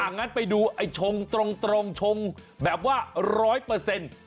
งั้นไปดูไอ้ชงตรงชงแบบว่าร้อยเปอร์เซ็นต์